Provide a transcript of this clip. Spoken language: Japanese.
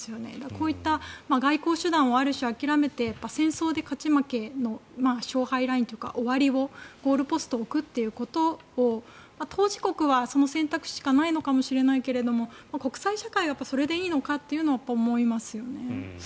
こういった外交手段をある種、諦めて戦争で勝ち負けの勝敗ラインというか終わりをゴールポストを置くということを当事国は、その選択肢しかないのかもしれないけれど国際社会がそれでいいのかとは思いますよね。